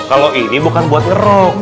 kalau ini bukan buat nyeruk